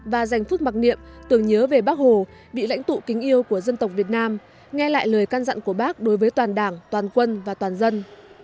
và dành phút mặc niệm tưởng nhớ về bác hồ vị lãnh tụ kính yêu của dân tộc việt nam nghe lại lời can dặn của bác đối với toàn đảng toàn quân và toàn dân